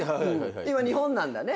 今日本なんだね。